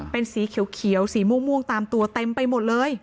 เป็นสีเขียวสีม่วงตามตัวเต็มไปหมดเลย